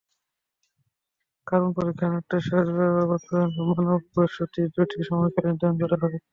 Carbon পরীক্ষায় নাটেশ্বরে প্রত্নস্থানে মানব বসতির দুটি সময়কাল নির্ধারণ করা হয়।